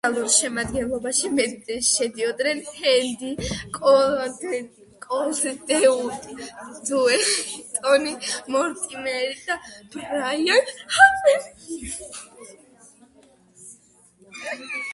ორიგინალურ შემადგენლობაში შედიოდნენ ჰენდი, კოლდუელი, ტონი მორტიმერი და ბრაიან ჰარვი.